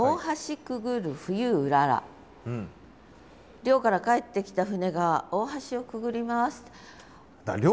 漁から帰ってきた船が大橋をくぐります。